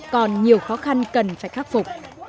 còn nhiều khó khăn cần phải khắc phục